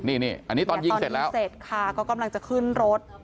นี่อันนี้ตอนยิงเสร็จแล้วเสร็จค่ะก็กำลังจะขึ้นรถ